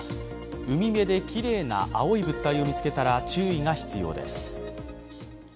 海辺できれいな青い物体を見つけたら、注意が必要です。